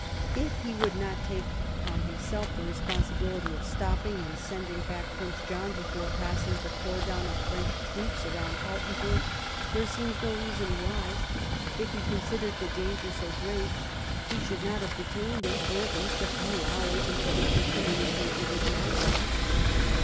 If he would not take upon himself the re sponsibility of stopping and sending back Prince John before passing the cordon of French troops round Altenburg there seems no reason why, if he considered the danger so great, he should not have detained him for at least a few hours until he could communicate with his master.